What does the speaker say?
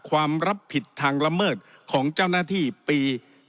รับผิดทางละเมิดของเจ้าหน้าที่ปี